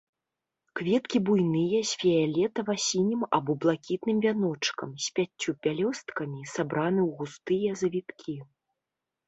Кветкі буйныя з фіялетава-сінім або блакітным вяночкам, з пяццю пялёсткамі, сабраны ў густыя завіткі.